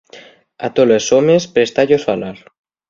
A tolos homes présta-yos falar.